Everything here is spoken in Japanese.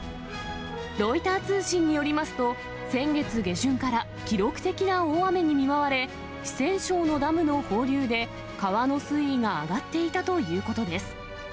ロイター通信によりますと、先月下旬から、記録的な大雨に見舞われ、四川省のダムの放流で、川の水位が上がっていたということです。